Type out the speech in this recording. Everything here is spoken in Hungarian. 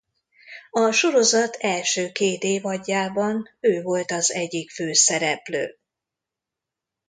A sorozat első két évadjában ő volt az egyik főszereplő.